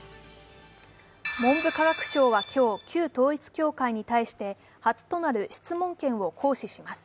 文部科学省は今日、旧統一教会に対して初となる質問権を行使します。